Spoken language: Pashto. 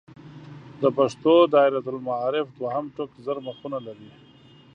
د پښتو دایرة المعارف دوهم ټوک زر مخونه لري.